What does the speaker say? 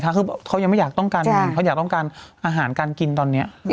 คือเขายังไม่อยากต้องการอาหารการกินตอนนี้